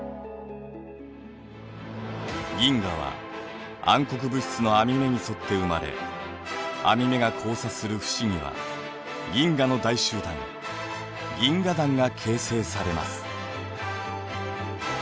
銀河は暗黒物質の網目に沿って生まれ網目が交差する節には銀河の大集団銀河団が形成されます。